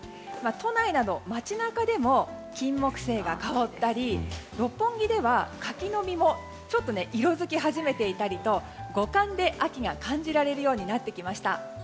都内など街中でもキンモクセイが香ったり六本木では柿の実もちょっと色づき始めていたりと五感で秋が感じられるようになってきました。